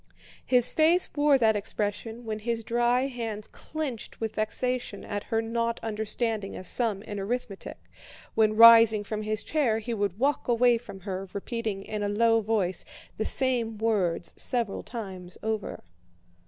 His face wore that expression when his dry hands clenched with vexation at her not understanding a sum in arithmetic, when rising from his chair he would walk away from her, repeating in a low voice the same words several times over.